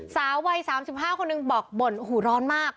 สาววัย๓๕คนหนึ่งบอกบ่นโอ้โหร้อนมาก